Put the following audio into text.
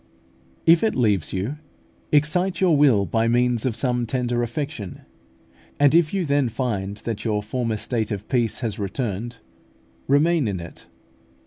If it leaves you, excite your will by means of some tender affection, and if you then find that your former state of peace has returned, remain in it.